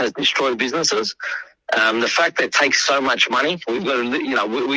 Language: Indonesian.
anda tidak membuat uang